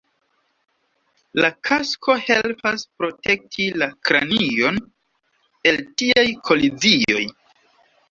La kasko helpas protekti la kranion el tiaj kolizioj".